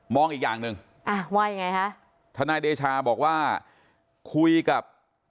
มองอีกอย่างหนึ่งว่าอย่างไรคะทนายเดชาบอกว่าคุยกับ